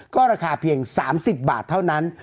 ก็ราคาเพียง๓๐บาทเท่านั้น